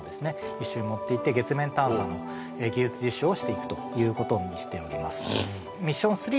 一緒に持っていって月面探査も技術実証をしていくということにしております